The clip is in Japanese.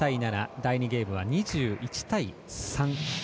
第２ゲームは２１対３。